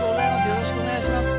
よろしくお願いします